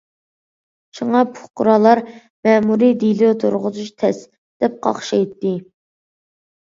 شۇڭا، پۇقرالار‹‹ مەمۇرىي دېلو تۇرغۇزۇش تەس›› دەپ قاقشايتتى.